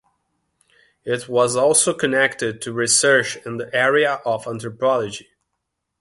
It was also connected to research in the area of Anthropology.